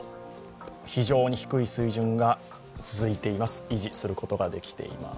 非常に低い水準が続いています。